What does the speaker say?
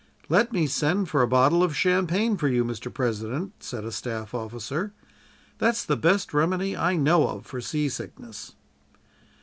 "'Let me send for a bottle of champagne for you, Mr. President,' said a staff officer, 'that's the best remedy I know of for sea sickness.'